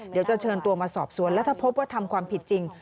เดี๋ยวจะเชิญตัวมาสอบสวนแล้วถ้าพบว่าทำความผิดจริง